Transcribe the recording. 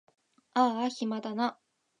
あーあ暇だな